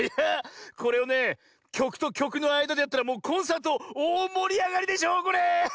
これをねきょくときょくのあいだでやったらもうコンサートおおもりあがりでしょうこれ。